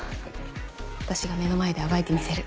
私が目の前で暴いてみせる。